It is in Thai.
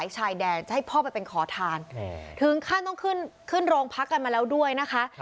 ชายแดนจะให้พ่อไปเป็นขอทานถึงขั้นต้องขึ้นขึ้นโรงพักกันมาแล้วด้วยนะคะ